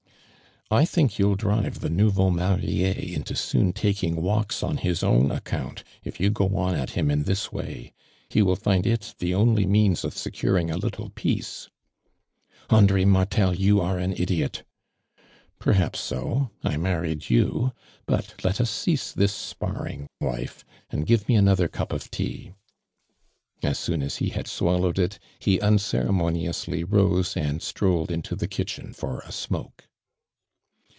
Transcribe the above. " I think you'll drive the nouveau marie into soon taking walks on his own account, if you go on at him in this way. He will find it the only means of securing a little peace." " Andre Martel, you are an idiot !"" Perhaps so — I married you, but lot us cease this sparring, wife, and give me ano ther cup of tea." As soon as he had swallowed it, he un ceremoniously i ose and strolled into the kitchen for a smoke.